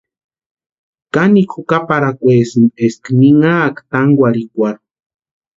Kanikwa jukaparhakwaesti eska ninhaaka tánkwarhikwarhu.